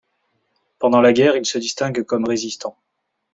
Pendant la guerre, il se distingue comme résistant.